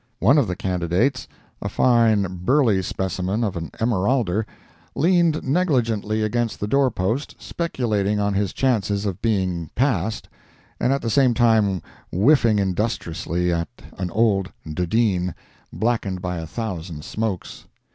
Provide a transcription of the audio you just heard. One of the candidates—a fine, burly specimen of an Emeralder—leaned negligently against the door post, speculating on his chances of being "passed," and at the same time whiffing industriously at an old dhudeen, blackened by a thousand smokes.